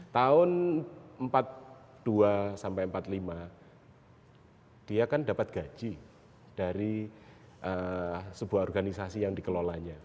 tahun empat puluh dua sampai empat puluh lima dia kan dapat gaji dari sebuah organisasi yang dikelolanya